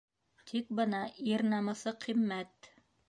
Тик бына ир намыҫы ҡиммәт.